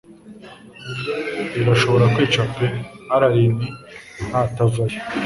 Irashobora kwica pe Allayne natavayo